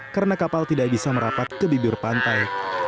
karena kapal tidak bisa merapat ke bibir pantai